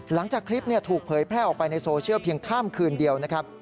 หลังจากคลิปถูกเผยแพร่ออกไปในโซเชียลเพียงข้ามคืนเดียวนะครับ